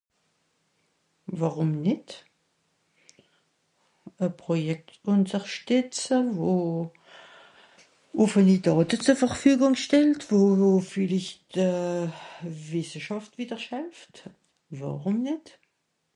wàrùm nìt à Projekt ùnterschtìtze wo ùffe Lit ...verfügung stellt wo viellicht de euh wìsseschàft wìderscht hälft wàrùm nìt